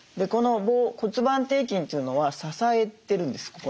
この骨盤底筋というのは支えてるんです。